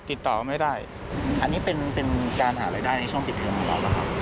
ติดต่อไม่ได้อันนี้เป็นเป็นการหารายได้ในช่วงปิดเทอมของเราแล้วครับ